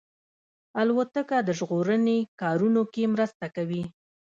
الوتکه د ژغورنې کارونو کې مرسته کوي.